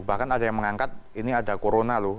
bahkan ada yang mengangkat ini ada corona loh